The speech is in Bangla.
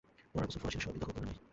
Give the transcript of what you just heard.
পরের বছর ফরাসিরা শহরটি দখল করে নেয়।